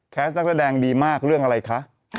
นักแสดงดีมากเรื่องอะไรคะ